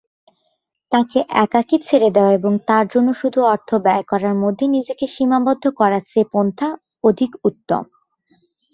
তাকে একাকী ছেড়ে দেওয়া এবং তার জন্য শুধু অর্থ ব্যয় করার মধ্যে নিজেকে সীমাবদ্ধ করার চেয়ে এ পন্থা অধিক উত্তম।